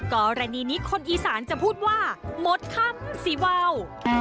กรณีนี้คนอีสานจะพูดว่าหมดคำสีวาว